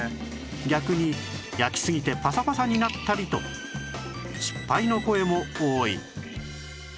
逆に焼きすぎてパサパサになったりと失敗の声も多い